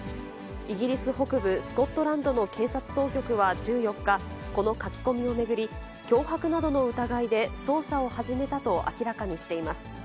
イギリス北部スコットランドの警察当局は１４日、この書き込みを巡り、脅迫などの疑いで捜査を始めたと明らかにしています。